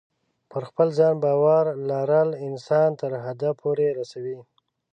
پر خپل ځان باور لرل انسان تر هدف پورې رسوي.